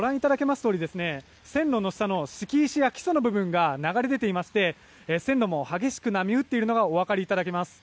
とおり線路の下の敷石や基礎の部分が流れ出ていまして線路も激しく波打っているのがお分かりいただけます。